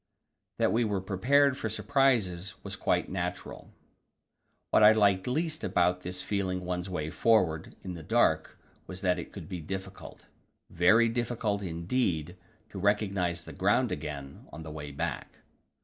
That we were prepared for surprises was perhaps quite natural. What I liked least about this feeling one's way forward in the dark was that it would be difficult very difficult indeed to recognize the ground again on the way back.